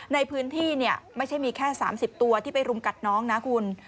ในพื้นที่ไม่ใช่มีแค่๓๐ตัวที่ไปรุมกัดน้องนะคุณ